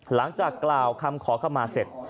หลังจากกล่าวคำขอเข้ามาเสร็จ